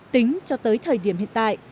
tính cho tới thời điểm hiện tại